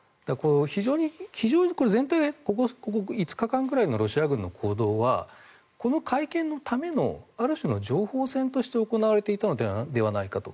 非常に全体ここ５日間くらいのロシア軍の行動はこの会見のためのある種の情報戦として行われていたのではないかと。